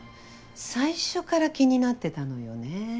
最初から気になってたのよね。